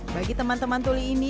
bagi teman teman tuli ini